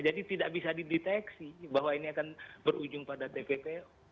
jadi tidak bisa dideteksi bahwa ini akan berujung pada tpp